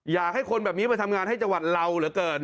อยากให้คนแบบนี้มาทำงานให้จังหวัดเราเหลือเกิน